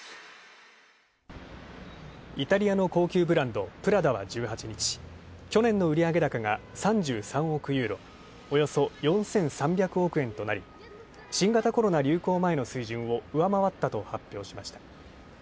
イタリアの高級ブランド、プラダは１８日、去年の売上高が３３億ユーロ、およそ４３００億円となり、新型コロナ流行前の水準を上回ったと発表しました。